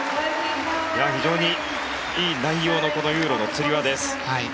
非常にいい内容のこのユーロのつり輪です。